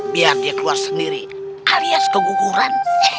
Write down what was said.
biar dia keluar sendiri alias keguguran